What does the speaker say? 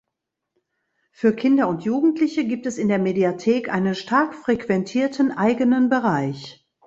Für Kinder und Jugendliche gibt es in der Mediathek einen stark frequentierten eigenen Bereich.